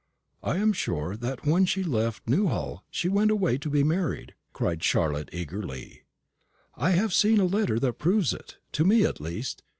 I am sure that when she left Newhall she went away to be married," cried Charlotte, eagerly; "I have seen a letter that proves it to me, at least.